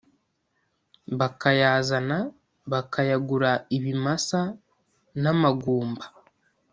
bakayazana bakayagura ibimasa n’amagumba